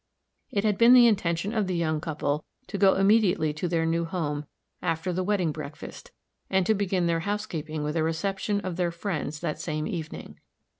It had been the intention of the young couple to go immediately to their new home, after the wedding breakfast, and to begin their housekeeping with a reception of their friends that same evening.